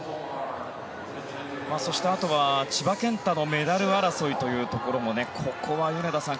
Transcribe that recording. そして、あとは千葉健太のメダル争いというところもここは米田さん